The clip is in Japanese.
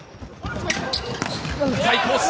左コース。